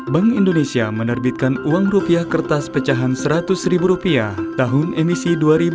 bank indonesia menerbitkan uang rupiah kertas pecahan rp seratus tahun emisi dua ribu empat belas